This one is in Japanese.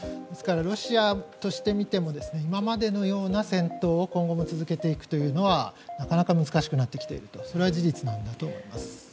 ですから、ロシアとしてみても今までのような戦闘を今後も続けていくというのはなかなか難しくなってきているそれは事実だと思います。